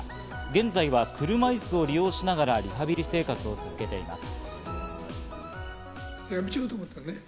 現在は車椅子を利用しながらリハビリ生活を続けています。